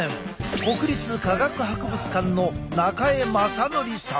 国立科学博物館の中江雅典さん！